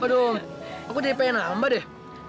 aduh aku jadi pengen hamba deh